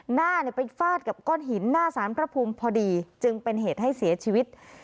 หน้าไปฟาดกับก้อนหินหน้าสารพระภูมิพอดีจึงเป็นเหตุให้เสียชีวิต